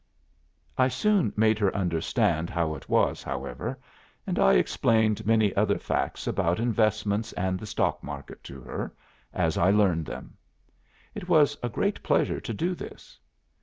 I soon made her understand how it was, however, and I explained many other facts about investments and the stock market to her, as I learned them. It was a great pleasure to do this.